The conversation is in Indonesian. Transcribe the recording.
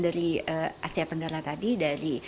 dari asia tenggara tadi